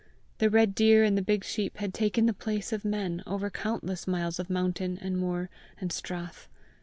The red deer and the big sheep had taken the place of men over countless miles of mountain and moor and strath!